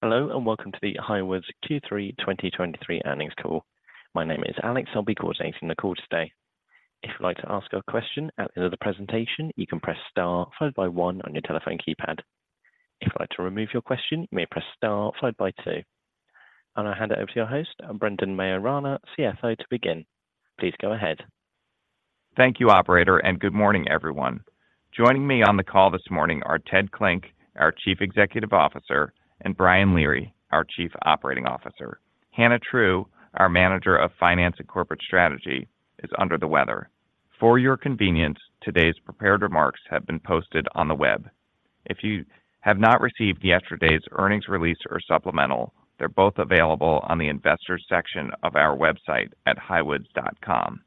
Hello, and welcome to the Highwoods Q3 2023 earnings call. My name is Alex. I'll be coordinating the call today. If you'd like to ask a question at the end of the presentation, you can press star, followed by 1 on your telephone keypad. If you'd like to remove your question, you may press star followed by 2. I'm going to hand it over to your host, Brendan Maiorana, CFO, to begin. Please go ahead. Thank you, operator, and good morning, everyone. Joining me on the call this morning are Ted Klinck, our Chief Executive Officer, and Brian Leary, our Chief Operating Officer. Hannah True, our Manager of Finance and Corporate Strategy, is under the weather. For your convenience, today's prepared remarks have been posted on the web. If you have not received yesterday's earnings release or supplemental, they're both available on the investors section of our website at highwoods.com.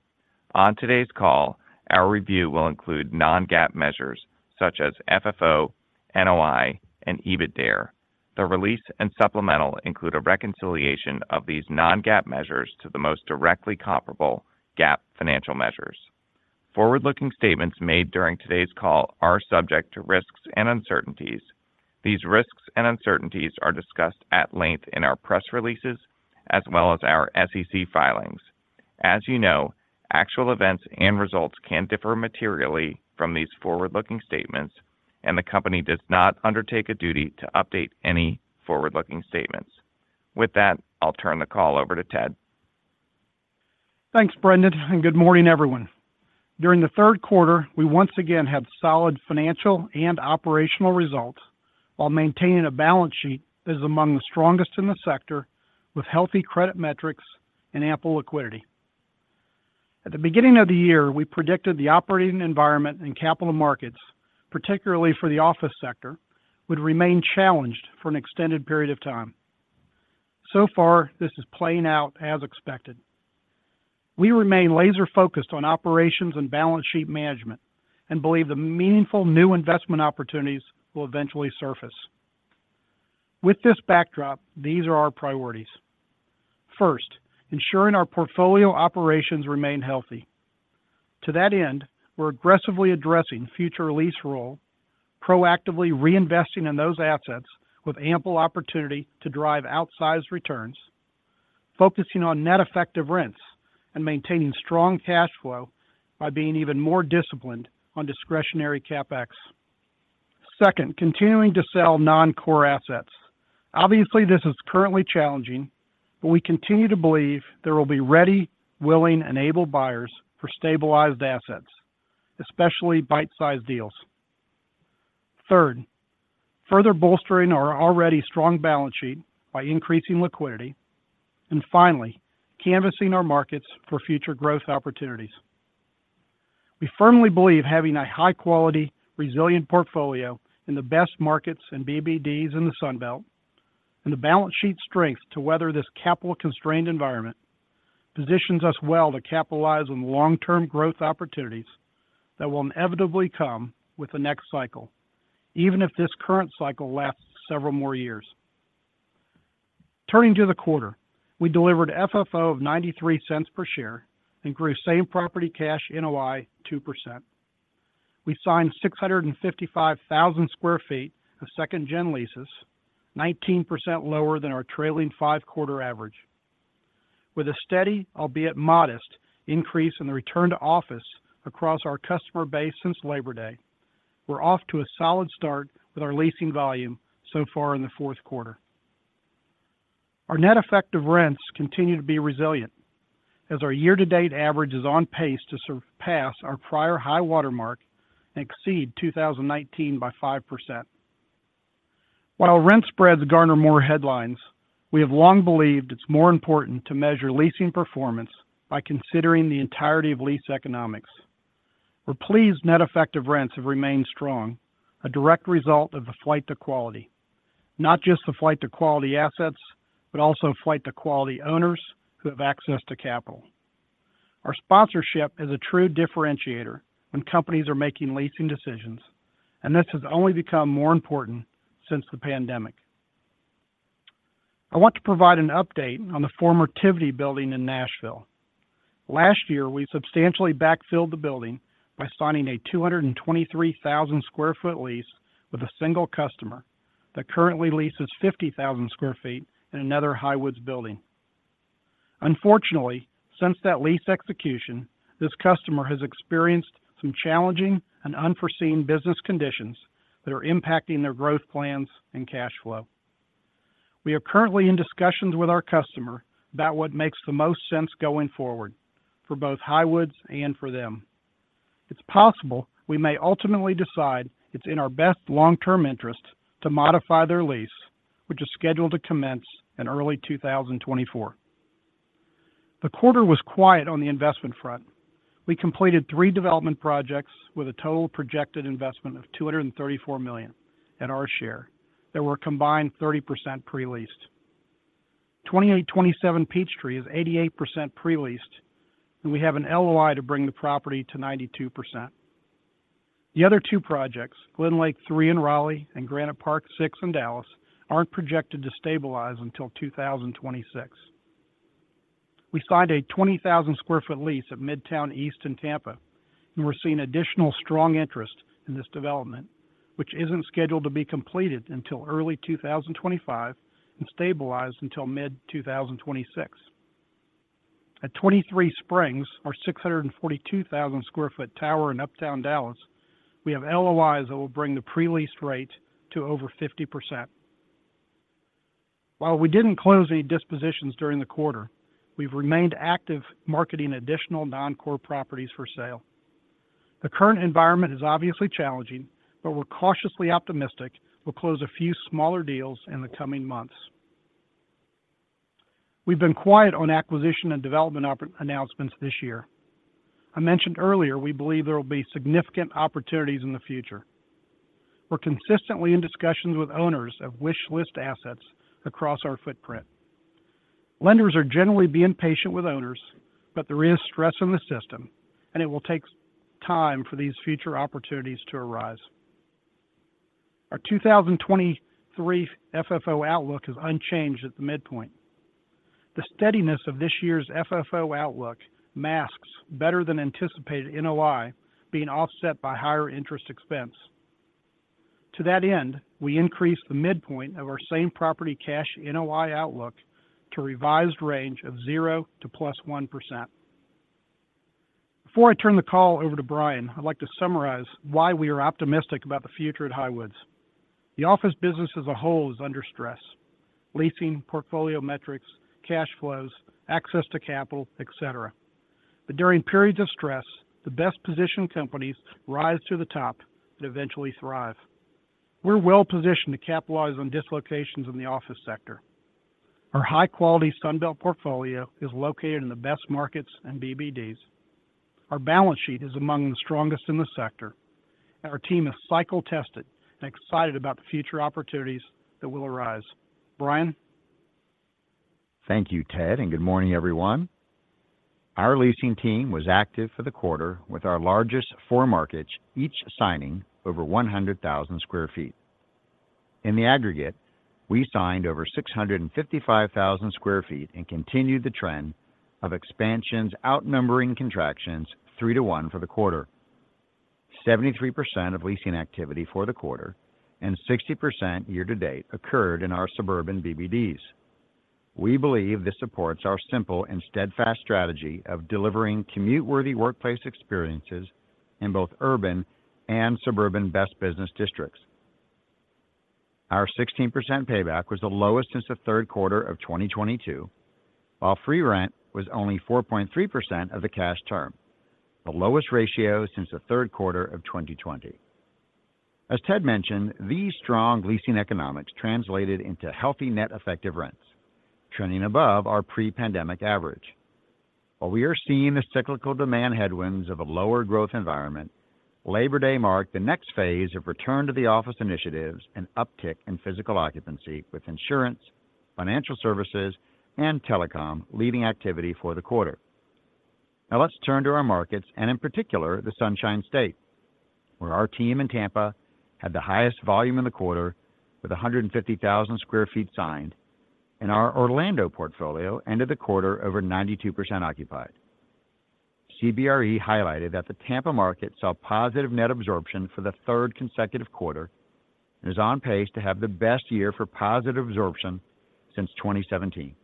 On today's call, our review will include non-GAAP measures such as FFO, NOI, and EBITDAre. The release and supplemental include a reconciliation of these non-GAAP measures to the most directly comparable GAAP financial measures. Forward-looking statements made during today's call are subject to risks and uncertainties. These risks and uncertainties are discussed at length in our press releases, as well as our SEC filings. As you know, actual events and results can differ materially from these forward-looking statements, and the company does not undertake a duty to update any forward-looking statements. With that, I'll turn the call over to Ted. Thanks, Brendan, and good morning, everyone. During the Q3, we once again had solid financial and operational results while maintaining a balance sheet that is among the strongest in the sector, with healthy credit metrics and ample liquidity. At the beginning of the year, we predicted the operating environment and capital markets, particularly for the office sector, would remain challenged for an extended period of time. So far, this is playing out as expected. We remain laser-focused on operations and balance sheet management and believe the meaningful new investment opportunities will eventually surface. With this backdrop, these are our priorities. First, ensuring our portfolio operations remain healthy. To that end, we're aggressively addressing future lease roll, proactively reinvesting in those assets with ample opportunity to drive outsized returns, focusing on net effective rents, and maintaining strong cash flow by being even more disciplined on discretionary CapEx. Second, continuing to sell non-core assets. Obviously, this is currently challenging, but we continue to believe there will be ready, willing, and able buyers for stabilized assets, especially bite-sized deals. Third, further bolstering our already strong balance sheet by increasing liquidity, and finally, canvassing our markets for future growth opportunities. We firmly believe having a high-quality, resilient portfolio in the best markets and BBDs in the Sun Belt, and the balance sheet strength to weather this capital-constrained environment, positions us well to capitalize on long-term growth opportunities that will inevitably come with the next cycle, even if this current cycle lasts several more years. Turning to the quarter, we delivered FFO of $0.93 per share and grew same-property cash NOI 2%. We signed 655,000 sq ft of second gen leases, 19% lower than our trailing 5-quarter average. With a steady, albeit modest, increase in the return to office across our customer base since Labor Day, we're off to a solid start with our leasing volume so far in the Q4. Our net effective rents continue to be resilient as our year-to-date average is on pace to surpass our prior high water mark and exceed 2019 by 5%. While rent spreads garner more headlines, we have long believed it's more important to measure leasing performance by considering the entirety of lease economics. We're pleased net effective rents have remained strong, a direct result of the flight to quality. Not just the flight to quality assets, but also flight to quality owners who have access to capital. Our sponsorship is a true differentiator when companies are making leasing decisions, and this has only become more important since the pandemic. I want to provide an update on the former Tivity building in Nashville. Last year, we substantially backfilled the building by signing a 223,000 sq ft lease with a single customer that currently leases 50,000 sq ft in another Highwoods building. Unfortunately, since that lease execution, this customer has experienced some challenging and unforeseen business conditions that are impacting their growth plans and cash flow. We are currently in discussions with our customer about what makes the most sense going forward for both Highwoods and for them. It's possible we may ultimately decide it's in our best long-term interest to modify their lease, which is scheduled to commence in early 2024. The quarter was quiet on the investment front. We completed three development projects with a total projected investment of $234 million at our share, that were combined 30% pre-leased. 2827 Peachtree is 88% pre-leased, and we have an LOI to bring the property to 92%. The other two projects, GlenLake III in Raleigh and Granite Park VI in Dallas, aren't projected to stabilize until 2026. We signed a 20,000 sq ft lease at Midtown East in Tampa, and we're seeing additional strong interest in this development, which isn't scheduled to be completed until early 2025 and stabilized until mid-2026. At 23Springs, our 642,000 sq ft tower in Uptown Dallas, we have LOIs that will bring the pre-lease rate to over 50%. While we didn't close any dispositions during the quarter, we've remained active, marketing additional non-core properties for sale. The current environment is obviously challenging, but we're cautiously optimistic we'll close a few smaller deals in the coming months. We've been quiet on acquisition and development announcements this year. I mentioned earlier, we believe there will be significant opportunities in the future. We're consistently in discussions with owners of wish list assets across our footprint. Lenders are generally being patient with owners, but there is stress in the system, and it will take time for these future opportunities to arise. Our 2023 FFO outlook is unchanged at the midpoint. The steadiness of this year's FFO outlook masks better than anticipated NOI being offset by higher interest expense. To that end, we increased the midpoint of our same property cash NOI outlook to a revised range of 0% to +1%. Before I turn the call over to Brian, I'd like to summarize why we are optimistic about the future at Highwoods. The office business as a whole is under stress, leasing, portfolio metrics, cash flows, access to capital, et cetera. But during periods of stress, the best-positioned companies rise to the top and eventually thrive. We're well positioned to capitalize on dislocations in the office sector. Our high-quality Sun Belt portfolio is located in the best markets and BBDs. Our balance sheet is among the strongest in the sector, and our team is cycle-tested and excited about the future opportunities that will arise. Brian? Thank you, Ted, and good morning, everyone. Our leasing team was active for the quarter with our largest four markets, each signing over 100,000 sq ft. In the aggregate, we signed over 655,000 sq ft and continued the trend of expansions outnumbering contractions 3-to-1 for the quarter. 73% of leasing activity for the quarter and 60% year to date occurred in our suburban BBDs. We believe this supports our simple and steadfast strategy of delivering commute-worthy workplace experiences in both urban and suburban best business districts. Our 16% payback was the lowest since the Q3 of 2022, while free rent was only 4.3% of the cash term, the lowest ratio since the Q3 of 2020. As Ted mentioned, these strong leasing economics translated into healthy net effective rents, trending above our pre-pandemic average. While we are seeing the cyclical demand headwinds of a lower growth environment, Labor Day marked the next phase of return to the office initiatives and uptick in physical occupancy, with insurance, financial services, and telecom leading activity for the quarter. Now let's turn to our markets, and in particular, the Sunshine State, where our team in Tampa had the highest volume in the quarter with 150,000 sq ft signed, and our Orlando portfolio ended the quarter over 92% occupied. CBRE highlighted that the Tampa market saw positive net absorption for the third consecutive quarter and is on pace to have the best year for positive absorption since 2017.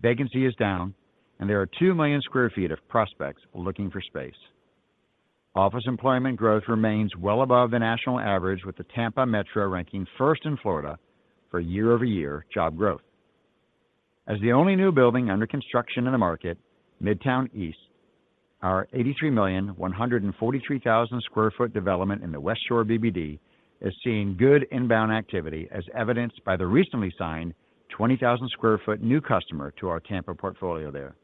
Vacancy is down, and there are 2 million sq ft of prospects looking for space. Office employment growth remains well above the national average, with the Tampa Metro ranking first in Florida for year-over-year job growth. As the only new building under construction in the market, Midtown East, our $83 million 143,000 sq ft development in the West Shore BBD, is seeing good inbound activity, as evidenced by the recently signed 20,000 sq ft new customer to our Tampa portfolio there.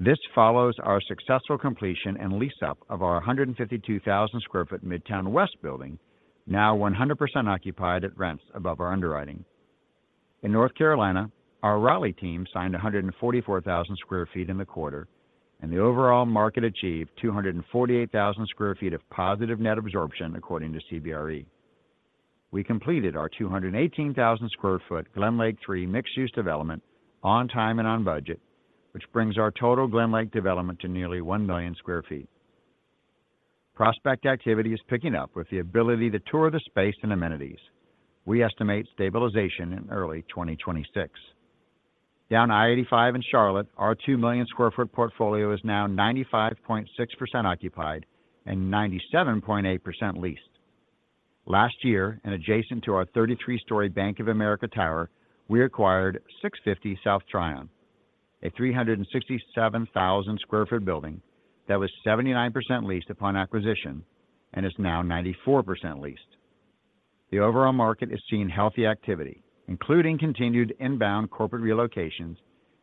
This follows our successful completion and lease-up of our 152,000 sq ft Midtown West building, now 100% occupied at rents above our underwriting. In North Carolina, our Raleigh team signed 144,000 sq ft in the quarter, and the overall market achieved 248,000 sq ft of positive net absorption, according to CBRE. We completed our 218,000 sq ft Glenlake III mixed-use development on time and on budget, which brings our total Glenlake development to nearly 1 million sq ft. Prospect activity is picking up with the ability to tour the space and amenities. We estimate stabilization in early 2026. Down I-85 in Charlotte, our 2 million sq ft portfolio is now 95.6% occupied and 97.8% leased. Last year, and adjacent to our 33-story Bank of America Tower, we acquired 650 South Tryon, a 367,000 sq ft building that was 79% leased upon acquisition and is now 94% leased. The overall market is seeing healthy activity, including continued inbound corporate relocations,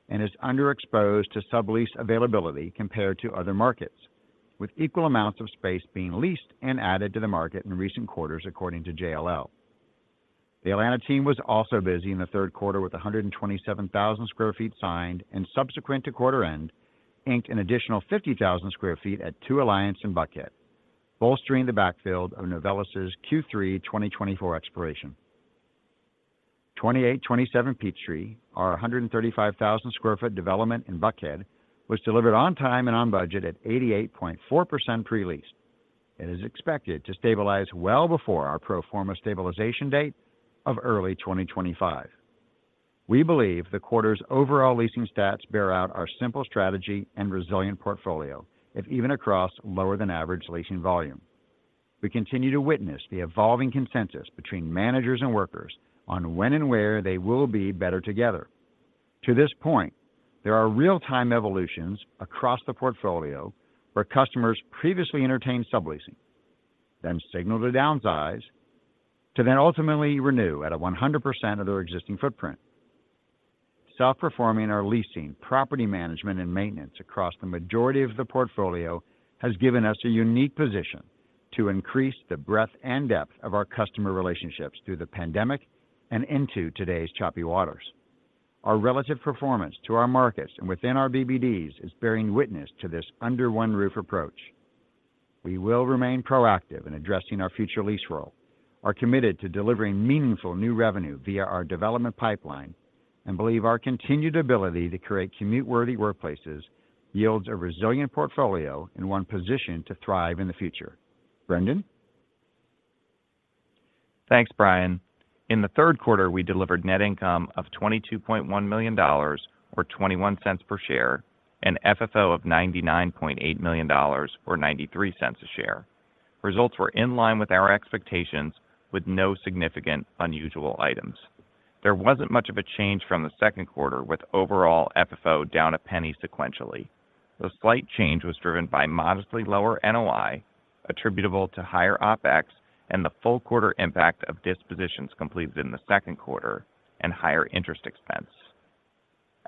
and is underexposed to sublease availability compared to other markets, with equal amounts of space being leased and added to the market in recent quarters, according to JLL. The Atlanta team was also busy in the Q3 with 127,000 sq ft signed, and subsequent to quarter end, inked an additional 50,000 sq ft at Two Alliance in Buckhead, bolstering the backfield of Novelis's Q3 2024 expiration. 2827 Peachtree, our 135,000 sq ft development in Buckhead, was delivered on time and on budget at 88.4% pre-leased, and is expected to stabilize well before our pro forma stabilization date of early 2025. We believe the quarter's overall leasing stats bear out our simple strategy and resilient portfolio, if even across lower than average leasing volume. We continue to witness the evolving consensus between managers and workers on when and where they will be better together. To this point, there are real-time evolutions across the portfolio where customers previously entertained subleasing, then signaled a downsize, to then ultimately renew at a 100% of their existing footprint. Self-performing our leasing, property management, and maintenance across the majority of the portfolio, has given us a unique position to increase the breadth and depth of our customer relationships through the pandemic and into today's choppy waters. Our relative performance to our markets and within our BBDs is bearing witness to this under-one-roof approach. We will remain proactive in addressing our future lease roll, are committed to delivering meaningful new revenue via our development pipeline, and believe our continued ability to create commute-worthy workplaces yields a resilient portfolio in one position to thrive in the future. Brendan? Thanks, Brian. In the Q3, we delivered net income of $22.1 million or $0.21 per share, and FFO of $99.8 million or $0.93 a share. Results were in line with our expectations, with no significant unusual items. There wasn't much of a change from the Q2, with overall FFO down 1 cent sequentially. The slight change was driven by modestly lower NOI, attributable to higher OpEx, and the full quarter impact of dispositions completed in the Q2, and higher interest expense.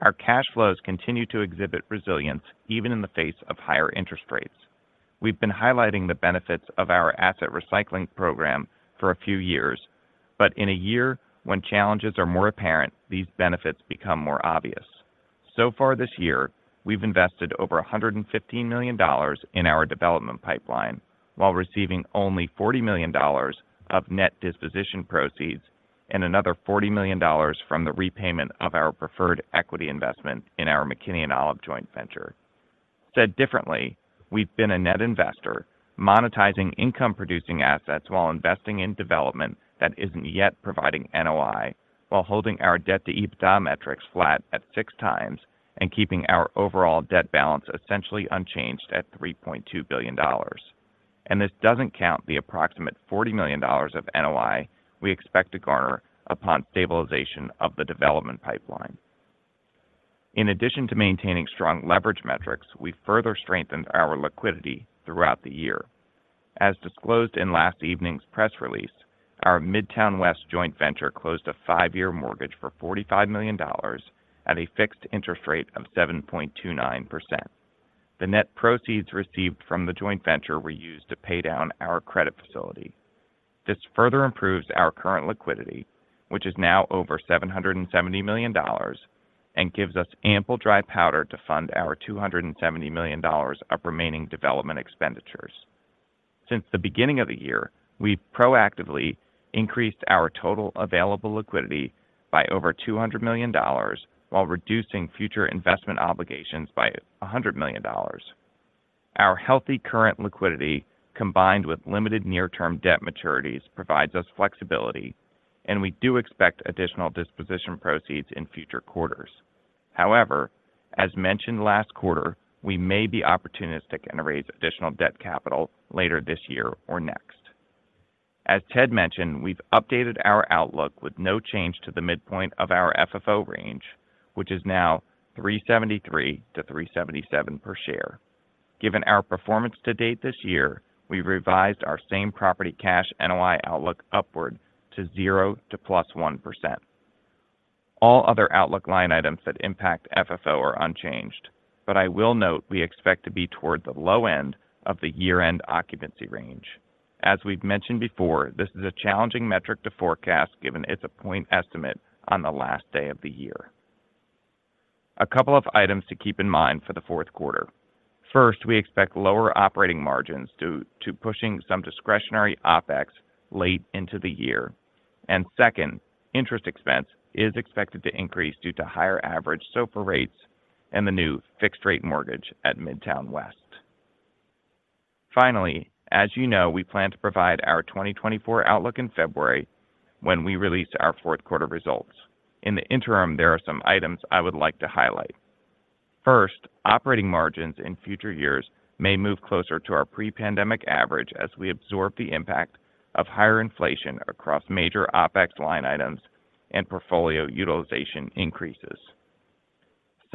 Our cash flows continue to exhibit resilience even in the face of higher interest rates. We've been highlighting the benefits of our asset recycling program for a few years, but in a year when challenges are more apparent, these benefits become more obvious. So far this year, we've invested over $115 million in our development pipeline, while receiving only $40 million of net disposition proceeds and another $40 million from the repayment of our preferred equity investment in our McKinney & Olive joint venture. Said differently, we've been a net investor, monetizing income-producing assets while investing in development that isn't yet providing NOI, while holding our debt-to-EBITDA metrics flat at 6x and keeping our overall debt balance essentially unchanged at $3.2 billion. And this doesn't count the approximate $40 million of NOI we expect to garner upon stabilization of the development pipeline. In addition to maintaining strong leverage metrics, we further strengthened our liquidity throughout the year. As disclosed in last evening's press release, our Midtown West joint venture closed a 5-year mortgage for $45 million at a fixed interest rate of 7.29%. The net proceeds received from the joint venture were used to pay down our credit facility. This further improves our current liquidity, which is now over $770 million, and gives us ample dry powder to fund our $270 million of remaining development expenditures. Since the beginning of the year, we've proactively increased our total available liquidity by over $200 million, while reducing future investment obligations by $100 million. Our healthy current liquidity, combined with limited near-term debt maturities, provides us flexibility, and we do expect additional disposition proceeds in future quarters. However, as mentioned last quarter, we may be opportunistic and raise additional debt capital later this year or next. As Ted mentioned, we've updated our outlook with no change to the midpoint of our FFO range, which is now 373-377 per share. Given our performance to date this year, we've revised our same property cash NOI outlook upward to 0% to +1%. All other outlook line items that impact FFO are unchanged, but I will note we expect to be toward the low end of the year-end occupancy range. As we've mentioned before, this is a challenging metric to forecast, given it's a point estimate on the last day of the year. A couple of items to keep in mind for the Q4. First, we expect lower operating margins due to pushing some discretionary OpEx late into the year. And second, interest expense is expected to increase due to higher average SOFR rates and the new fixed rate mortgage at Midtown West. Finally, as you know, we plan to provide our 2024 outlook in February when we release our Q4 results. In the interim, there are some items I would like to highlight. First, operating margins in future years may move closer to our pre-pandemic average as we absorb the impact of higher inflation across major OpEx line items and portfolio utilization increases.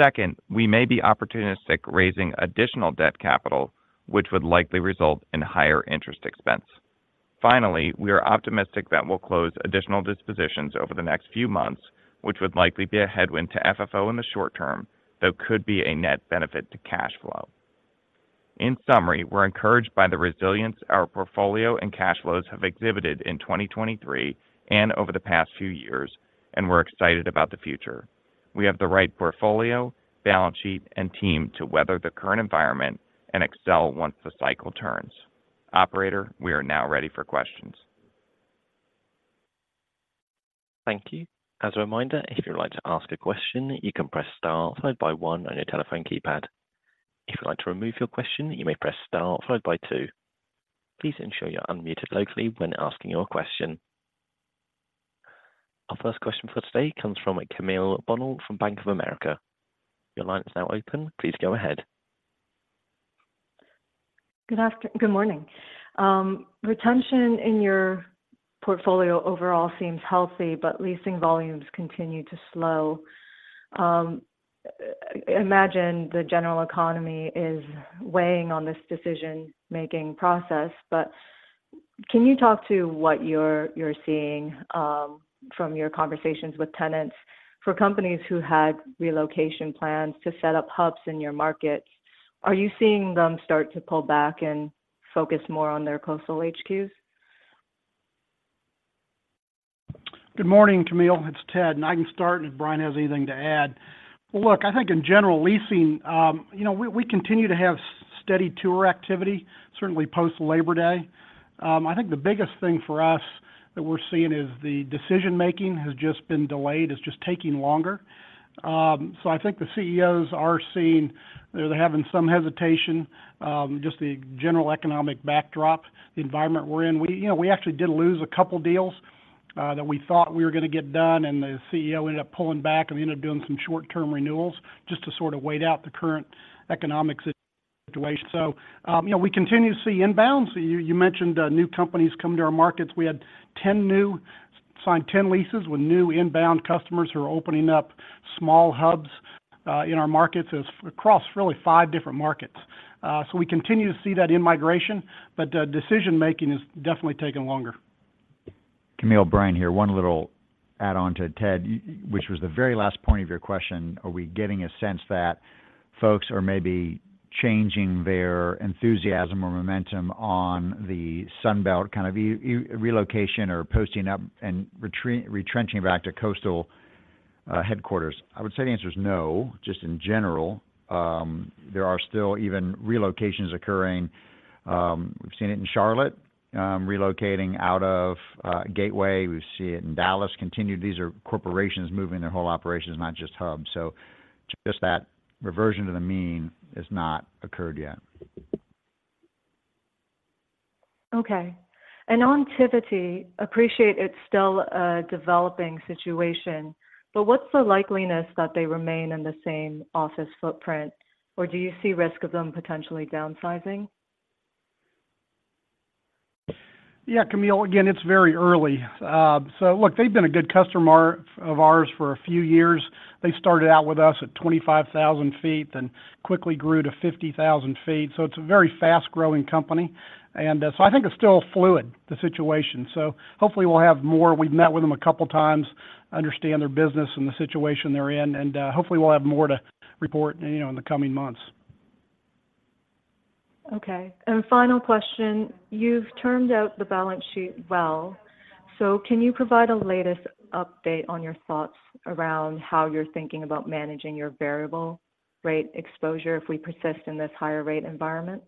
Second, we may be opportunistic, raising additional debt capital, which would likely result in higher interest expense. Finally, we are optimistic that we'll close additional dispositions over the next few months, which would likely be a headwind to FFO in the short term, though could be a net benefit to cash flow. In summary, we're encouraged by the resilience our portfolio and cash flows have exhibited in 2023 and over the past few years, and we're excited about the future. We have the right portfolio, balance sheet, and team to weather the current environment and excel once the cycle turns.... Operator, we are now ready for questions. Thank you. As a reminder, if you'd like to ask a question, you can press star followed by one on your telephone keypad. If you'd like to remove your question, you may press star followed by two. Please ensure you're unmuted locally when asking your question. Our first question for today comes from Camille Bonnel from Bank of America. Your line is now open. Please go ahead. Good morning. Retention in your portfolio overall seems healthy, but leasing volumes continue to slow. I imagine the general economy is weighing on this decision-making process, but can you talk to what you're seeing from your conversations with tenants? For companies who had relocation plans to set up hubs in your markets, are you seeing them start to pull back and focus more on their coastal HQs? Good morning, Camille. It's Ted, and I can start, and if Brian has anything to add. Well, look, I think in general leasing, you know, we continue to have steady tour activity, certainly post-Labor Day. I think the biggest thing for us that we're seeing is the decision making has just been delayed. It's just taking longer. So I think the CEOs are seeing... They're having some hesitation, just the general economic backdrop, the environment we're in. We, you know, we actually did lose a couple deals, that we thought we were going to get done, and the CEO ended up pulling back, and we ended up doing some short-term renewals just to sort of wait out the current economic situation. So, you know, we continue to see inbounds. You mentioned, new companies coming to our markets. We signed 10 leases with new inbound customers who are opening up small hubs in our markets, across really 5 different markets. So we continue to see that in migration, but decision making is definitely taking longer. Camille, Brian here. One little add-on to Ted, which was the very last point of your question, are we getting a sense that folks are maybe changing their enthusiasm or momentum on the Sun Belt, kind of, relocation or posting up and retrenching back to coastal headquarters? I would say the answer is no, just in general. There are still even relocations occurring. We've seen it in Charlotte, relocating out of, Gateway. We see it in Dallas, continued. These are corporations moving their whole operations, not just hubs. So just that reversion to the mean has not occurred yet. Okay. And on Tivity, appreciate it's still a developing situation, but what's the likelihood that they remain in the same office footprint, or do you see risk of them potentially downsizing? Yeah, Camille, again, it's very early. So look, they've been a good customer of ours for a few years. They started out with us at 25,000 sq ft, then quickly grew to 50,000 sq ft. So it's a very fast-growing company. And so I think it's still fluid, the situation. So hopefully we'll have more. We've met with them a couple times, understand their business and the situation they're in, and hopefully we'll have more to report, you know, in the coming months. Okay. And final question: You've turned out the balance sheet well. So can you provide a latest update on your thoughts around how you're thinking about managing your variable rate exposure if we persist in this higher rate environment?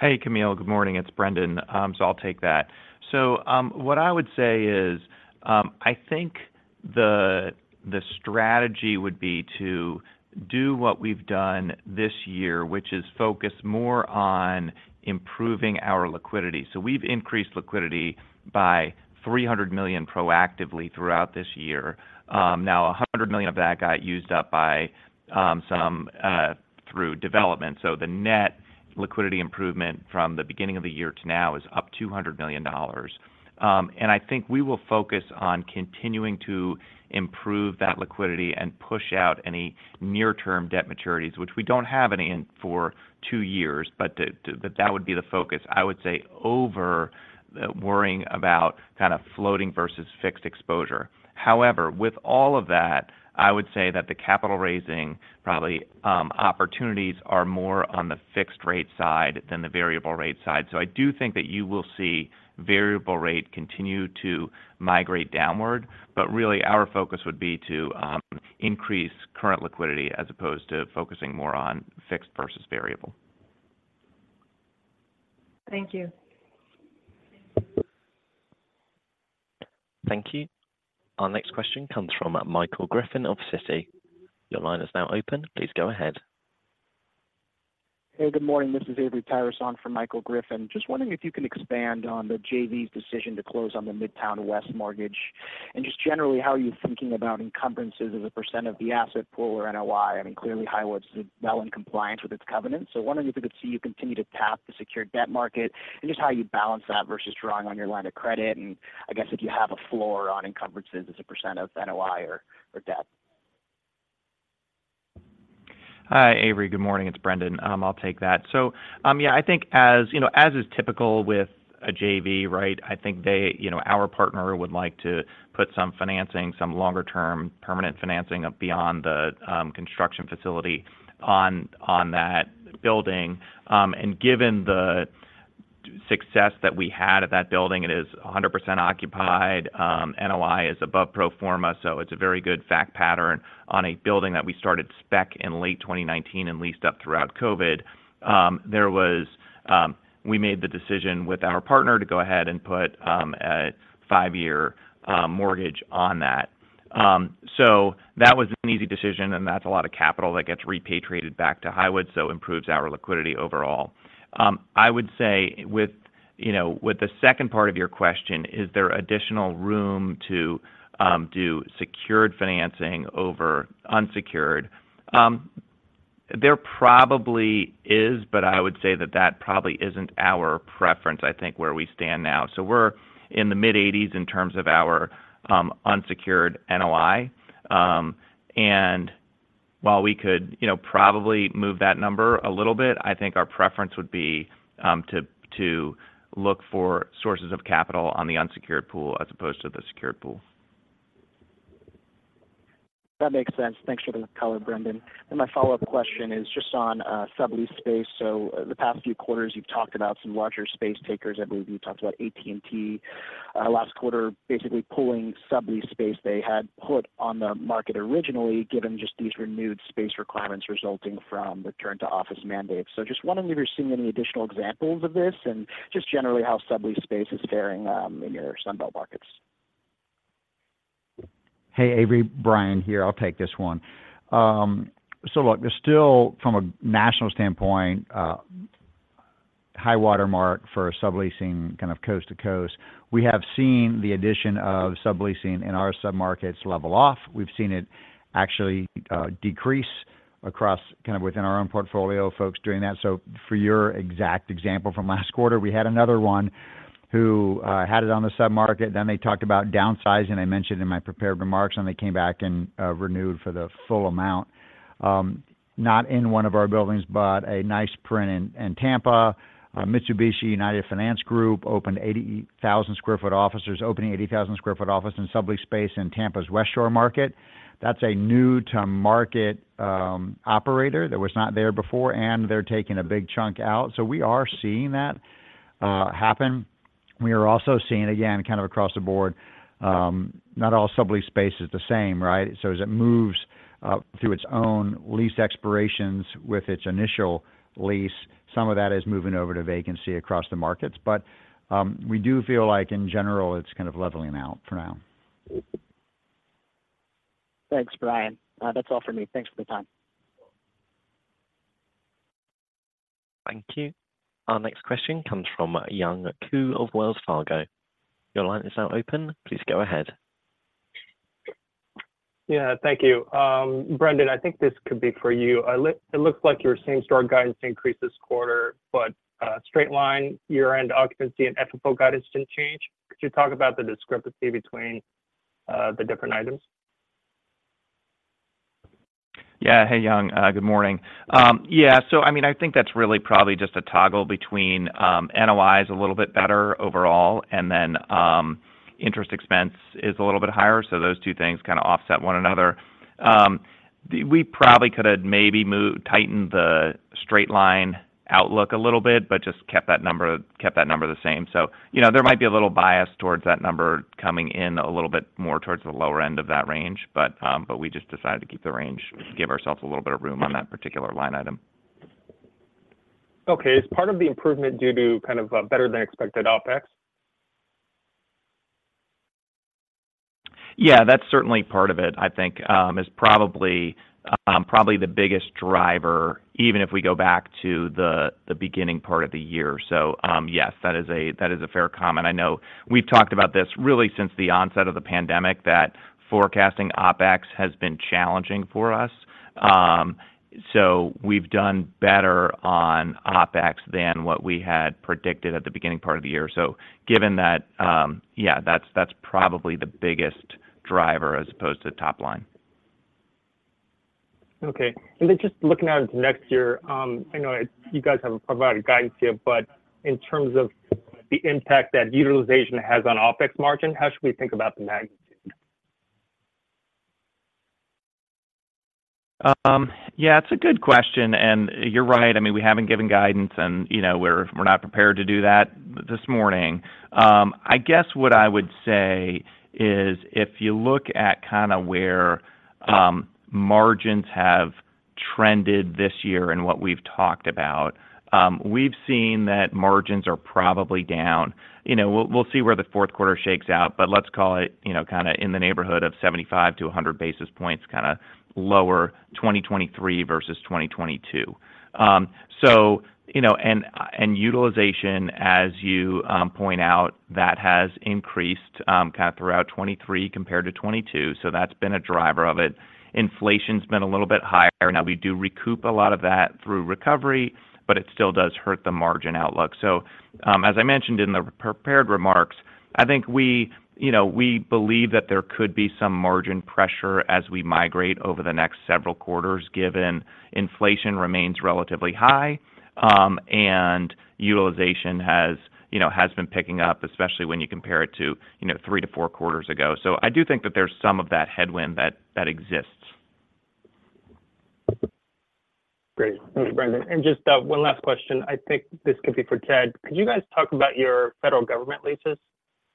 Hey, Camille, good morning. It's Brendan. So I'll take that. So, what I would say is, I think the strategy would be to do what we've done this year, which is focus more on improving our liquidity. So we've increased liquidity by $300 million proactively throughout this year. Now, $100 million of that got used up by some through development. So the net liquidity improvement from the beginning of the year to now is up $200 million. And I think we will focus on continuing to improve that liquidity and push out any near-term debt maturities, which we don't have any in for two years, but that would be the focus, I would say, over worrying about kind of floating versus fixed exposure. However, with all of that, I would say that the capital raising, probably, opportunities are more on the fixed rate side than the variable rate side. So I do think that you will see variable rate continue to migrate downward, but really our focus would be to, increase current liquidity as opposed to focusing more on fixed versus variable. Thank you. Thank you. Our next question comes from Michael Griffin of Citi. Your line is now open. Please go ahead. Hey, good morning. This is Avery Tiras for Michael Griffin. Just wondering if you can expand on the JV's decision to close on the Midtown West mortgage, and just generally, how are you thinking about encumbrances as a % of the asset pool or NOI? I mean, clearly, Highwoods' well in compliance with its covenants. So wondering if we could see you continue to tap the secured debt market and just how you balance that versus drawing on your line of credit, and I guess if you have a floor on encumbrances as a % of NOI or debt. Hi, Avery. Good morning. It's Brendan. I'll take that. So, yeah, I think as, you know, as is typical with a JV, right? I think they, you know, our partner would like to put some financing, some longer term permanent financing beyond the construction facility on, on thcat building. And given the success that we had at that building, it is 100% occupied. NOI is above pro forma, so it's a very good fact pattern on a building that we started spec in late 2019 and leased up throughout COVID. We made the decision with our partner to go ahead and put a 5-year mortgage on that. So that was an easy decision, and that's a lot of capital that gets repatriated back to Highwoods, so improves our liquidity overall. I would say with, you know, with the second part of your question, is there additional room to do secured financing over unsecured? There probably is, but I would say that that probably isn't our preference, I think, where we stand now. So we're in the mid-eighties in terms of our unsecured NOI. And while we could, you know, probably move that number a little bit, I think our preference would be to, to look for sources of capital on the unsecured pool as opposed to the secured pool. That makes sense. Thanks for the color, Brendan. Then my follow-up question is just on sublease space. So the past few quarters, you've talked about some larger space takers. I believe you talked about AT&T last quarter, basically pulling sublease space they had put on the market originally, given just these renewed space requirements resulting from return to office mandates. So just wondering if you're seeing any additional examples of this, and just generally, how sublease space is faring in your Sun Belt markets. Hey, Avery. Brian here. I'll take this one. So look, there's still, from a national standpoint, high water mark for subleasing kind of coast to coast. We have seen the addition of subleasing in our submarkets level off. We've seen it actually decrease across, kind of within our own portfolio, folks doing that. So for your exact example from last quarter, we had another one who had it on the submarket, then they talked about downsizing. I mentioned in my prepared remarks, and they came back and renewed for the full amount, not in one of our buildings, but a nice print in, in Tampa. Mitsubishi HC Capital America opened 80,000 sq ft offices - opening 80,000 sq ft office in sublease space in Tampa's West Shore market. That's a new-to-market operator that was not there before, and they're taking a big chunk out. So we are seeing that happen. We are also seeing, again, kind of across the board, not all sublease space is the same, right? So as it moves through its own lease expirations with its initial lease, some of that is moving over to vacancy across the markets. But we do feel like in general, it's kind of leveling out for now. Thanks, Brian. That's all for me. Thanks for the time. Thank you. Our next question comes from Young Ku of Wells Fargo. Your line is now open. Please go ahead. Yeah, thank you. Brendan, I think this could be for you. It looks like your same-store guidance increased this quarter, but straight line, year-end occupancy and FFO guidance didn't change. Could you talk about the discrepancy between the different items? Yeah. Hey, Young, good morning. Yeah, so I mean, I think that's really probably just a toggle between, NOI is a little bit better overall, and then, interest expense is a little bit higher, so those two things kinda offset one another. We probably could have maybe tightened the straight line outlook a little bit, but just kept that number, kept that number the same. So, you know, there might be a little bias towards that number coming in a little bit more towards the lower end of that range, but, but we just decided to keep the range, give ourselves a little bit of room on that particular line item. Okay. Is part of the improvement due to kind of better-than-expected OpEx? Yeah, that's certainly part of it. I think is probably the biggest driver, even if we go back to the beginning part of the year. So, yes, that is a fair comment. I know we've talked about this really since the onset of the pandemic, that forecasting OpEx has been challenging for us. So we've done better on OpEx than what we had predicted at the beginning part of the year. So given that, yeah, that's probably the biggest driver as opposed to top line. Okay. And then just looking out into next year, I know you guys haven't provided guidance yet, but in terms of the impact that utilization has on OpEx margin, how should we think about the magnitude? Yeah, it's a good question, and you're right. I mean, we haven't given guidance, and, you know, we're, we're not prepared to do that this morning. I guess what I would say is, if you look at kinda where, margins have trended this year and what we've talked about, we've seen that margins are probably down. You know, we'll, we'll see where the Q4 shakes out, but let's call it, you know, kinda in the neighborhood of 75-100 basis points, kinda lower 2023 versus 2022. So, you know, and utilization, as you point out, that has increased, kinda throughout 2023 compared to 2022, so that's been a driver of it. Inflation's been a little bit higher. Now, we do recoup a lot of that through recovery, but it still does hurt the margin outlook. So, as I mentioned in the prepared remarks, I think we, you know, we believe that there could be some margin pressure as we migrate over the next several quarters, given inflation remains relatively high, and utilization has, you know, has been picking up, especially when you compare it to, you know, three to four quarters ago. So I do think that there's some of that headwind that exists.... Great. Thanks, Brendan. And just, one last question. I think this could be for Ted. Could you guys talk about your federal government leases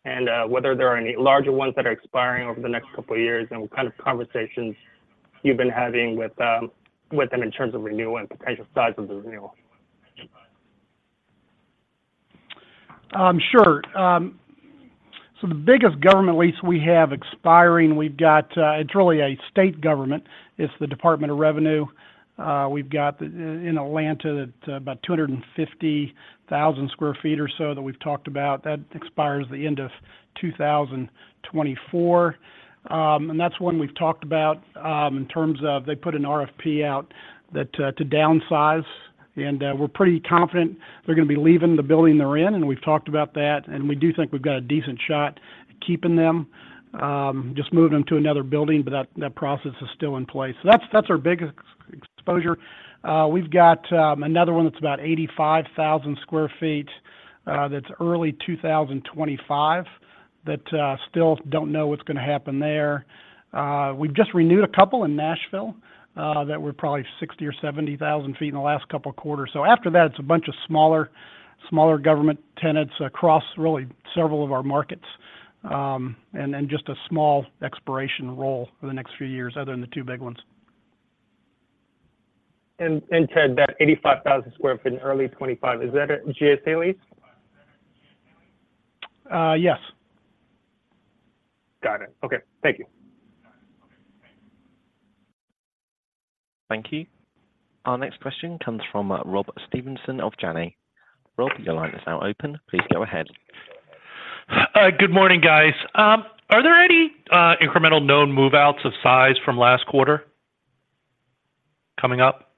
and, whether there are any larger ones that are expiring over the next couple of years, and what kind of conversations you've been having with, with them in terms of renewal and potential size of the renewal? Sure. So the biggest government lease we have expiring, we've got. It's really a state government. It's the Department of Revenue. We've got the in Atlanta, that about 250,000 sq ft or so that we've talked about. That expires at the end of 2024. And that's one we've talked about, in terms of they put an RFP out that to downsize, and we're pretty confident they're gonna be leaving the building they're in, and we've talked about that, and we do think we've got a decent shot at keeping them, just moving them to another building, but that, that process is still in place. So that's, that's our biggest exposure. We've got another one that's about 85,000 sq ft, that's early 2025, that still don't know what's gonna happen there. We've just renewed a couple in Nashville, that were probably 60,000 or 70,000 sq ft in the last couple of quarters. So after that, it's a bunch of smaller, smaller government tenants across really several of our markets. And then just a small expiration roll for the next few years, other than the two big ones. Ted, that 85,000 sq ft in early 2025, is that a GSA lease? Uh, yes. Got it. Okay, thank you. Thank you. Our next question comes from Rob Stevenson of Janney. Rob, your line is now open. Please go ahead. Good morning, guys. Are there any incremental known move-outs of size from last quarter coming up?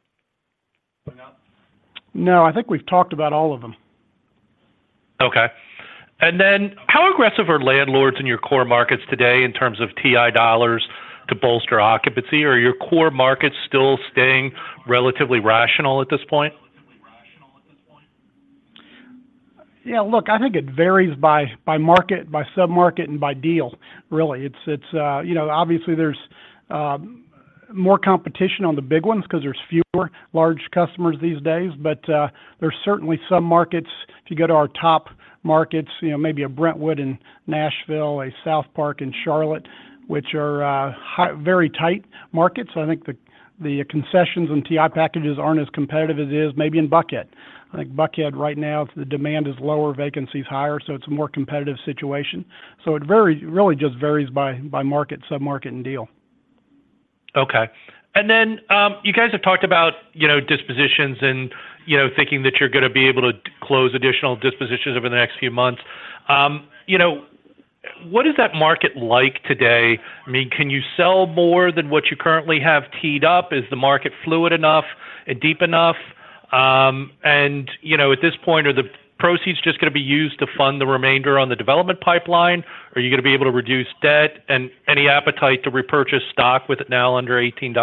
No, I think we've talked about all of them. Okay. And then, how aggressive are landlords in your core markets today in terms of TI dollars to bolster occupancy? Are your core markets still staying relatively rational at this point? Yeah, look, I think it varies by market, by submarket, and by deal, really. It's you know, obviously there's more competition on the big ones 'cause there's fewer large customers these days. But there's certainly some markets, if you go to our top markets, you know, maybe a Brentwood in Nashville, a SouthPark in Charlotte, which are very tight markets. So I think the concessions and TI packages aren't as competitive as it is maybe in Buckhead. I think Buckhead right now, the demand is lower, vacancy is higher, so it's a more competitive situation. So it varies, really just varies by market, submarket, and deal. Okay. And then, you guys have talked about, you know, dispositions and, you know, thinking that you're gonna be able to close additional dispositions over the next few months. You know, what is that market like today? I mean, can you sell more than what you currently have teed up? Is the market fluid enough and deep enough? And, you know, at this point, are the proceeds just gonna be used to fund the remainder on the development pipeline? Are you gonna be able to reduce debt and any appetite to repurchase stock with it now under $18?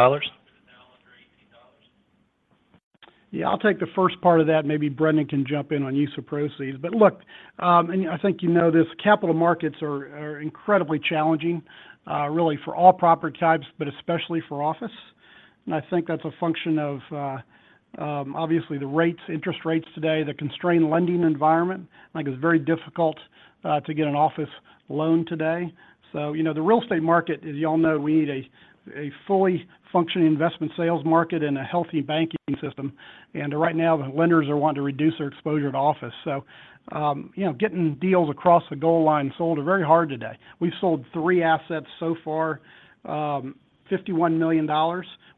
Yeah, I'll take the first part of that, maybe Brendan can jump in on use of proceeds. But look, and I think you know this, capital markets are incredibly challenging, really for all property types, but especially for office. And I think that's a function of obviously, the rates, interest rates today, the constrained lending environment. I think it's very difficult to get an office loan today. So, you know, the real estate market, as you all know, we need a fully functioning investment sales market and a healthy banking system. And right now, the lenders are wanting to reduce their exposure to office. So, you know, getting deals across the goal line sold are very hard today. We've sold three assets so far, $51 million.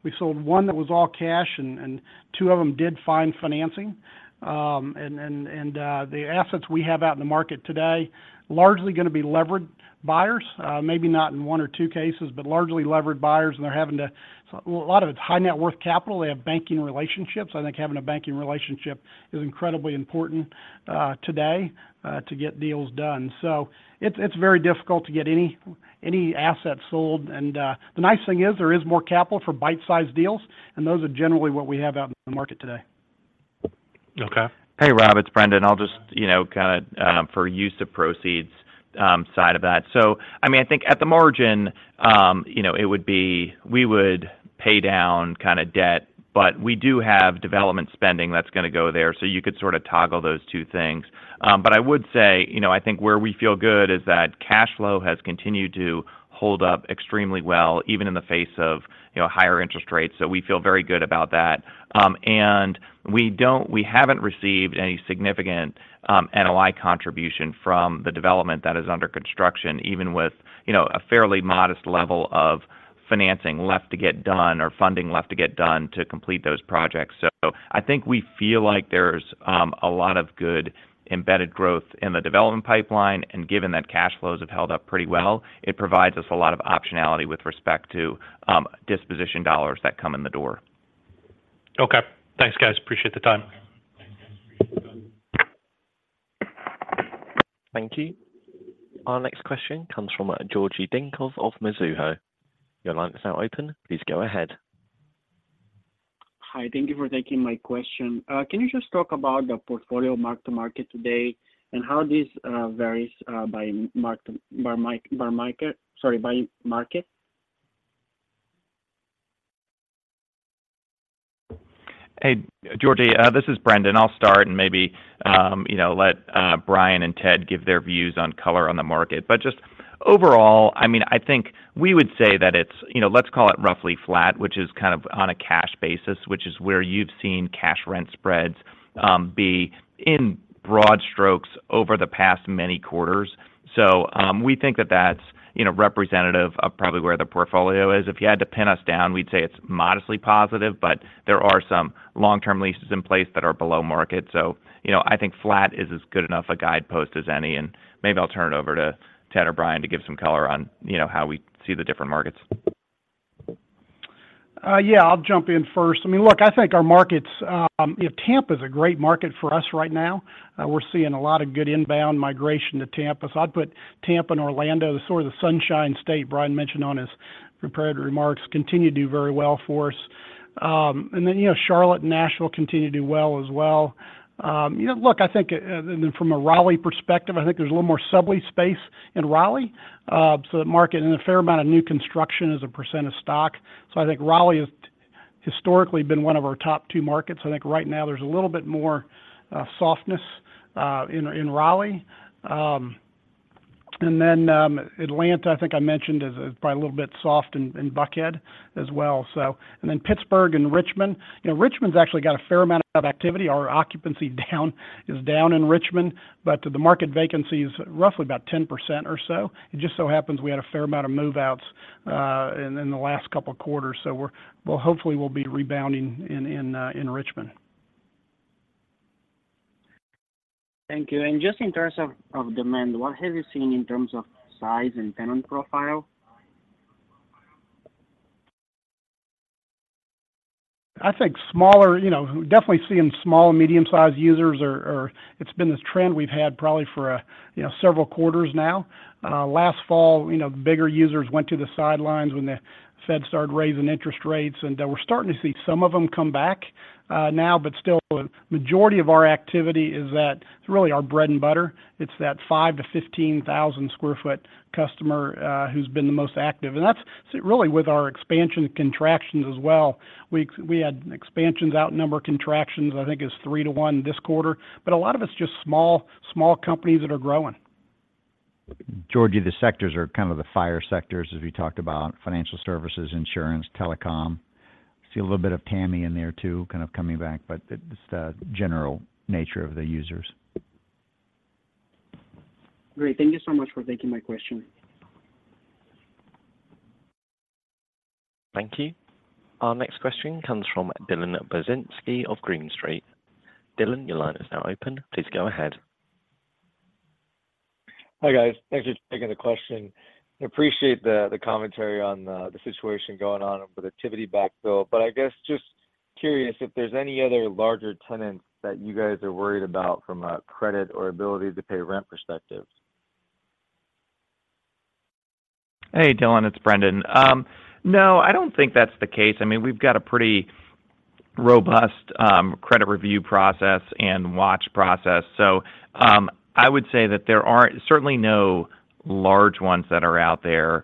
We sold one that was all cash, and two of them did find financing. The assets we have out in the market today, largely gonna be levered buyers. Maybe not in one or two cases, but largely levered buyers, and they're having to, a lot of it's high net worth capital. They have banking relationships. I think having a banking relationship is incredibly important today to get deals done. So it's very difficult to get any assets sold. The nice thing is, there is more capital for bite-sized deals, and those are generally what we have out in the market today. Okay. Hey, Rob, it's Brendan. I'll just, you know, kinda for use of proceeds side of that. So I mean, I think at the margin, you know, it would be... We would pay down kinda debt, but we do have development spending that's gonna go there. So you could sorta toggle those two things. But I would say, you know, I think where we feel good is that cash flow has continued to hold up extremely well, even in the face of, you know, higher interest rates. So we feel very good about that. And we don't-- we haven't received any significant NOI contribution from the development that is under construction, even with, you know, a fairly modest level of financing left to get done or funding left to get done to complete those projects. So I think we feel like there's a lot of good embedded growth in the development pipeline, and given that cash flows have held up pretty well, it provides us a lot of optionality with respect to disposition dollars that come in the door. Okay. Thanks, guys. Appreciate the time. Thank you. Our next question comes from Georgi Dinkov of Mizuho. Your line is now open. Please go ahead. Hi, thank you for taking my question. Can you just talk about the portfolio mark-to-market today and how this varies by market?... Hey, Georgi, this is Brendan. I'll start and maybe, you know, let Brian and Ted give their views on color on the market. But just overall, I mean, I think we would say that it's, you know, let's call it roughly flat, which is kind of on a cash basis, which is where you've seen cash rent spreads, be in broad strokes over the past many quarters. So, we think that that's, you know, representative of probably where the portfolio is. If you had to pin us down, we'd say it's modestly positive, but there are some long-term leases in place that are below market. So, you know, I think flat is as good enough a guidepost as any, and maybe I'll turn it over to Ted or Brian to give some color on, you know, how we see the different markets. Yeah, I'll jump in first. I mean, look, I think our markets, you know, Tampa is a great market for us right now. We're seeing a lot of good inbound migration to Tampa. So I'd put Tampa and Orlando, the sort of the Sunshine State, Brian mentioned on his prepared remarks, continue to do very well for us. And then, you know, Charlotte and Nashville continue to do well as well. You know, look, I think, and then from a Raleigh perspective, I think there's a little more sublease space in Raleigh, so the market and a fair amount of new construction as a percent of stock. So I think Raleigh has historically been one of our top two markets. I think right now there's a little bit more softness in Raleigh. And then, Atlanta, I think I mentioned, is probably a little bit soft in Buckhead as well. So, and then Pittsburgh and Richmond. You know, Richmond's actually got a fair amount of activity. Our occupancy is down in Richmond, but the market vacancy is roughly about 10% or so. It just so happens we had a fair amount of move-outs in the last couple of quarters, so, well, hopefully we'll be rebounding in Richmond. Thank you. And just in terms of demand, what have you seen in terms of size and tenant profile? I think smaller, you know, definitely seeing small, medium-sized users are—it's been this trend we've had probably for, you know, several quarters now. Last fall, you know, bigger users went to the sidelines when the Fed started raising interest rates, and we're starting to see some of them come back now, but still, majority of our activity is that really our bread and butter. It's that 5- to 15,000-sq-ft customer who's been the most active. And that's really with our expansions, contractions as well. We had expansions outnumber contractions, I think it's 3-to-1 this quarter, but a lot of it's just small, small companies that are growing. Georgi, the sectors are kind of the FIRE sectors, as we talked about, financial services, insurance, telecom. I see a little bit of TAMI in there, too, kind of coming back, but just the general nature of the users. Great. Thank you so much for taking my question. Thank you. Our next question comes from Dylan Burzinski of Green Street. Dylan, your line is now open. Please go ahead. Hi, guys. Thank you for taking the question. Appreciate the commentary on the situation going on with activity backfill, but I guess just curious if there's any other larger tenants that you guys are worried about from a credit or ability to pay rent perspective? Hey, Dylan, it's Brendan. No, I don't think that's the case. I mean, we've got a pretty robust credit review process and watch process. So, I would say that there are certainly no large ones that are out there.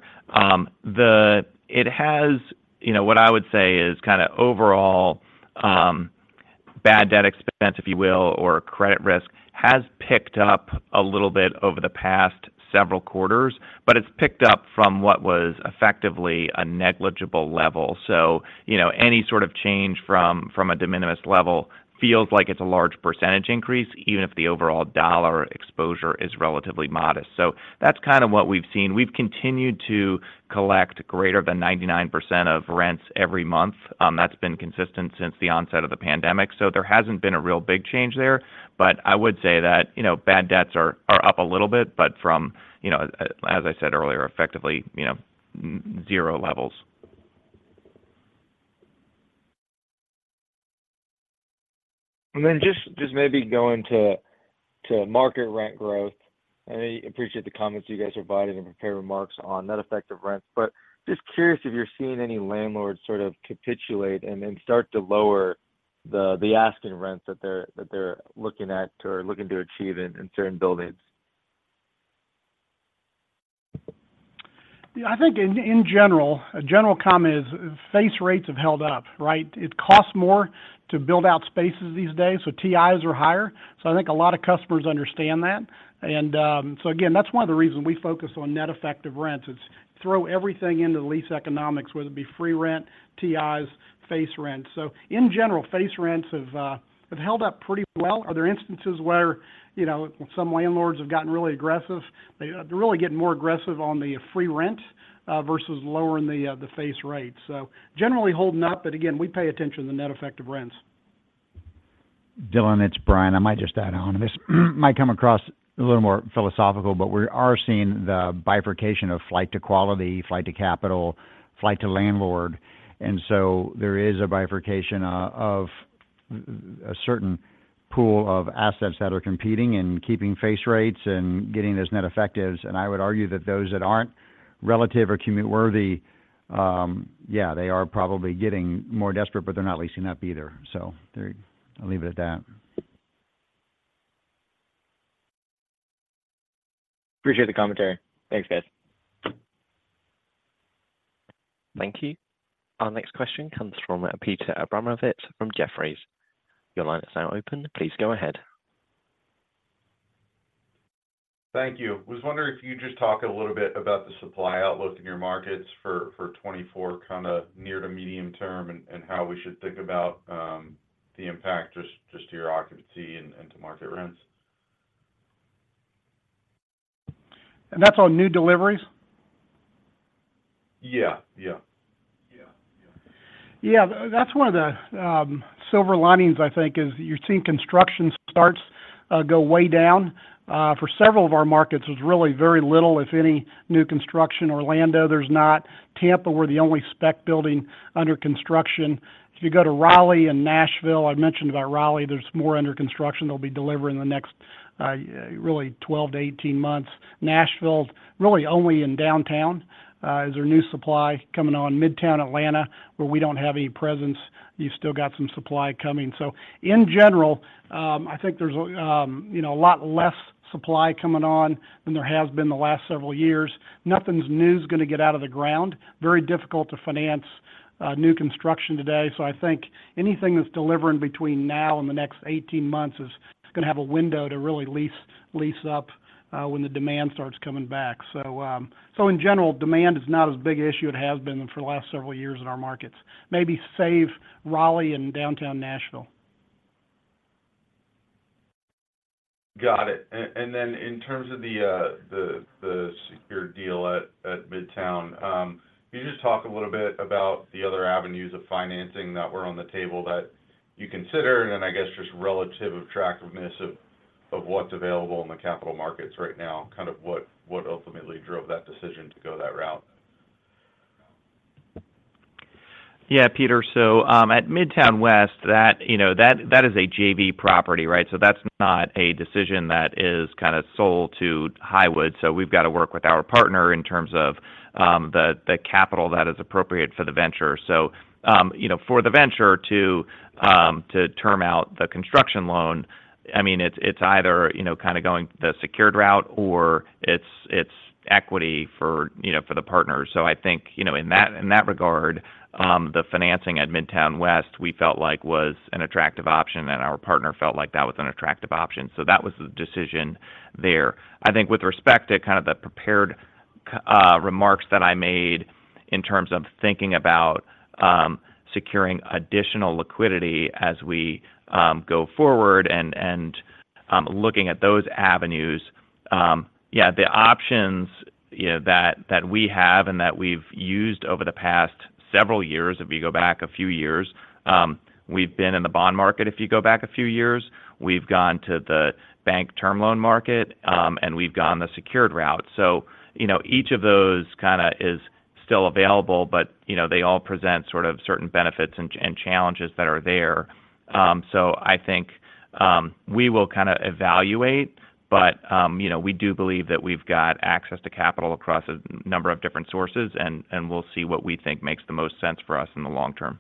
It has, you know, what I would say is kind of overall bad debt expense, if you will, or credit risk, has picked up a little bit over the past several quarters, but it's picked up from what was effectively a negligible level. So, you know, any sort of change from a de minimis level feels like it's a large percentage increase, even if the overall dollar exposure is relatively modest. So that's kind of what we've seen. We've continued to collect greater than 99% of rents every month. That's been consistent since the onset of the pandemic, so there hasn't been a real big change there. But I would say that, you know, bad debts are up a little bit, but from, you know, as I said earlier, effectively, you know, zero levels. Then just maybe going to market rent growth. I appreciate the comments you guys provided and prepared remarks on net effective rents, but just curious if you're seeing any landlords sort of capitulate and then start to lower the asking rents that they're looking at or looking to achieve in certain buildings. Yeah, I think in general, a general comment is face rates have held up, right? It costs more to build out spaces these days, so TIs are higher. So I think a lot of customers understand that. And so again, that's one of the reasons we focus on net effective rents. It's throw everything into the lease economics, whether it be free rent, TIs, face rent. So in general, face rents have held up pretty well. Are there instances where, you know, some landlords have gotten really aggressive? They're really getting more aggressive on the free rent versus lowering the face rate. So generally holding up, but again, we pay attention to the net effective rents. Dylan, it's Brian. I might just add on, and this might come across a little more philosophical, but we are seeing the bifurcation of flight to quality, flight to capital, flight to landlord. And so there is a bifurcation of a certain pool of assets that are competing and keeping face rates and getting those net effectives. And I would argue that those that aren't relative or commit worthy, yeah, they are probably getting more desperate, but they're not leasing up either. So there, I'll leave it at that.... Appreciate the commentary. Thanks, guys. Thank you. Our next question comes from Peter Abramowitz from Jefferies. Your line is now open. Please go ahead. Thank you. Was wondering if you could just talk a little bit about the supply outlook in your markets for 2024, kind of near- to medium-term, and how we should think about the impact just to your occupancy and to market rents. That's on new deliveries? Yeah. Yeah. Yeah. Yeah. That's one of the silver linings, I think, is you're seeing construction starts go way down. For several of our markets, there's really very little, if any, new construction. Orlando, there's not. Tampa, we're the only spec building under construction. If you go to Raleigh and Nashville, I mentioned about Raleigh, there's more under construction. They'll be delivering the next really 12-18 months. Nashville's really only in downtown is there new supply coming on. Midtown Atlanta, where we don't have any presence, you've still got some supply coming. So in general, I think there's a you know, a lot less supply coming on than there has been in the last several years. Nothing's new is going to get out of the ground. Very difficult to finance new construction today. So I think anything that's delivering between now and the next 18 months is going to have a window to really lease, lease up, when the demand starts coming back. So, in general, demand is not as big an issue it has been for the last several years in our markets, maybe save Raleigh and downtown Nashville. Got it. And then in terms of the secured deal at Midtown, can you just talk a little bit about the other avenues of financing that were on the table that you considered, and I guess just relative attractiveness of what's available in the capital markets right now, kind of what ultimately drove that decision to go that route? Yeah, Peter. So, at Midtown West, that, you know, that is a JV property, right? So that's not a decision that is kind of sold to Highwoods. So we've got to work with our partner in terms of, the capital that is appropriate for the venture. So, you know, for the venture to term out the construction loan, I mean, it's either, you know, kind of going the secured route or it's equity for, you know, for the partner. So I think, you know, in that regard, the financing at Midtown West, we felt like was an attractive option, and our partner felt like that was an attractive option. So that was the decision there. I think with respect to kind of the prepared remarks that I made in terms of thinking about securing additional liquidity as we go forward and, and, looking at those avenues, yeah, the options, you know, that, that we have and that we've used over the past several years, if you go back a few years, we've been in the bond market. If you go back a few years, we've gone to the bank term loan market and we've gone the secured route. So, you know, each of those kind of is still available, but, you know, they all present sort of certain benefits and, and challenges that are there. So I think we will kind of evaluate, but you know, we do believe that we've got access to capital across a number of different sources, and we'll see what we think makes the most sense for us in the long term.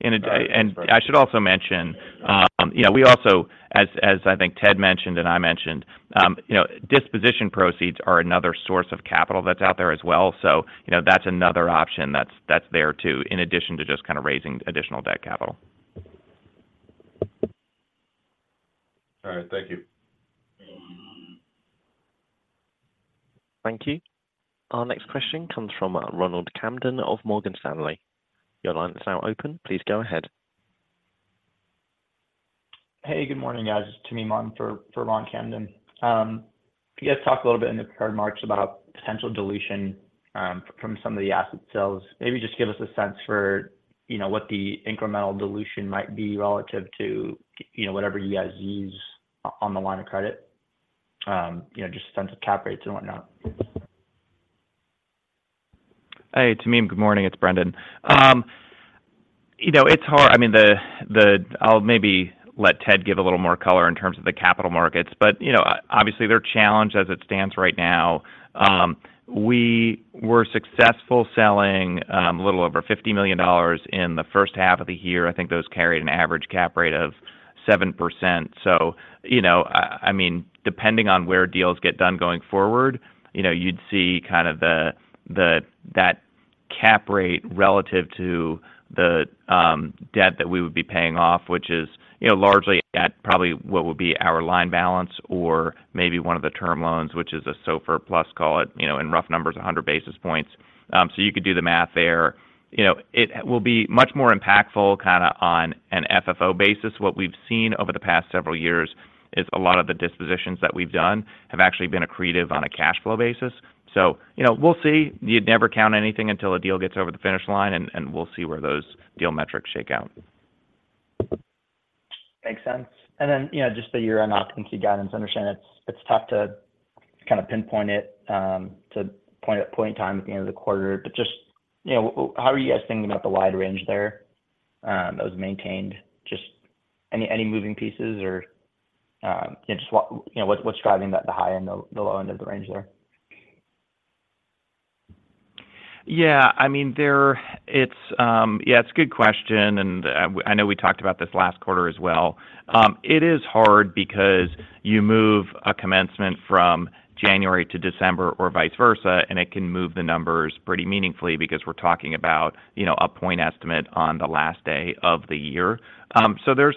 And I should also mention, yeah, we also, as I think Ted mentioned and I mentioned, you know, disposition proceeds are another source of capital that's out there as well. So you know, that's another option that's there too, in addition to just kind of raising additional debt capital. All right. Thank you. Thank you. Our next question comes from Ronald Kamdem of Morgan Stanley. Your line is now open. Please go ahead. Hey, good morning, guys. It's Tamim for Ronald Kamdem. You guys talked a little bit in the prepared remarks about potential dilution from some of the asset sales. Maybe just give us a sense for, you know, what the incremental dilution might be relative to, you know, whatever you guys use on the line of credit, you know, just in terms of cap rates and whatnot. Hey, Tamim. Good morning. It's Brendan. You know, it's hard—I mean, the, the—I'll maybe let Ted give a little more color in terms of the capital markets, but, you know, obviously, they're challenged as it stands right now. We were successful selling a little over $50 million in the first half of the year. I think those carried an average cap rate of 7%. So, you know, I, I mean, depending on where deals get done going forward, you know, you'd see kind of the, the, that cap rate relative to the debt that we would be paying off, which is, you know, largely at probably what would be our line balance or maybe one of the term loans, which is a SOFR plus, call it, you know, in rough numbers, 100 basis points. So you could do the math there. You know, it will be much more impactful kind of on an FFO basis. What we've seen over the past several years is a lot of the dispositions that we've done have actually been accretive on a cash flow basis. So, you know, we'll see. You'd never count anything until a deal gets over the finish line, and we'll see where those deal metrics shake out. Makes sense. And then, you know, just the year-end occupancy guidance. I understand it's tough to kind of pinpoint it to a point in time at the end of the quarter. But just, you know, how are you guys thinking about the wide range there that was maintained? Just any moving pieces or just what, you know, what's driving that, the high end and the low end of the range there? Yeah, I mean, it's a good question, and I know we talked about this last quarter as well. It is hard because you move a commencement from January to December or vice versa, and it can move the numbers pretty meaningfully because we're talking about, you know, a point estimate on the last day of the year. So there's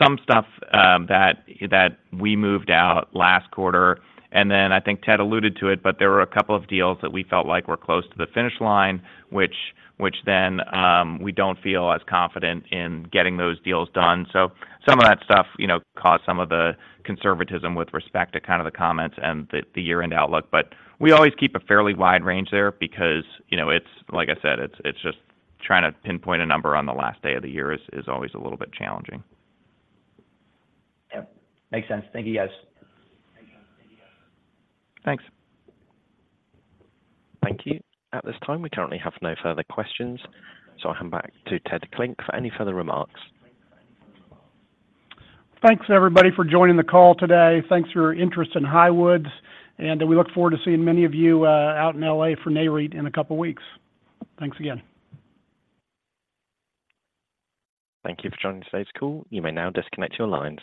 some stuff that we moved out last quarter, and then I think Ted alluded to it, but there were a couple of deals that we felt like were close to the finish line, which then we don't feel as confident in getting those deals done. So some of that stuff, you know, caused some of the conservatism with respect to kind of the comments and the year-end outlook. But we always keep a fairly wide range there because, you know, it's like I said, it's just trying to pinpoint a number on the last day of the year is always a little bit challenging. Yep, makes sense. Thank you, guys. Thanks. Thank you. At this time, we currently have no further questions, so I'll hand back to Ted Klinck for any further remarks. Thanks, everybody, for joining the call today. Thanks for your interest in Highwoods, and we look forward to seeing many of you out in LA for NAREIT in a couple of weeks. Thanks again. Thank you for joining today's call. You may now disconnect your lines.